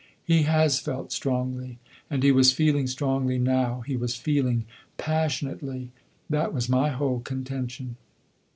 He has felt strongly, and he was feeling strongly now; he was feeling passionately that was my whole contention.